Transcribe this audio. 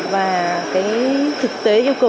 và cái thực tế yêu cầu